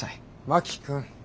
真木君。